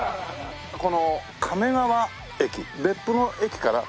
この亀川駅別府の駅から２駅。